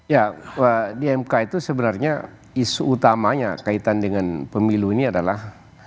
ya di mk itu sebenarnya isu utamanya kaitan dengan pemilu ini adalah